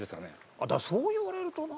またそう言われるとな。